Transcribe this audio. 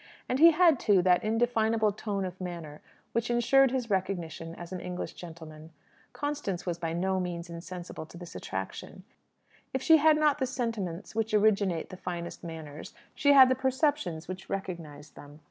And he had, too, that indefinable tone of manner which ensured his recognition as an English gentleman. Constance was by no means insensible to this attraction. If she had not the sentiments which originate the finest manners, she had the perceptions which recognize them.